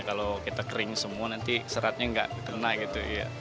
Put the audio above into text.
kalau kita kering semua nanti seratnya nggak kena gitu ya